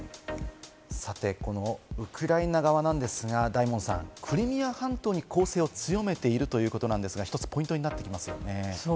このウクライナ側なんですが、大門さん、クリミア半島に攻勢を強めているということですが、１つポイントになってきますよね。